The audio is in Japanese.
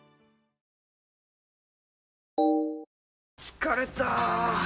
疲れた！